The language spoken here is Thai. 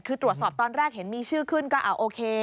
คือตรวจสอบตอนแรกเห็นมีชื่อขึ้นก็โอเค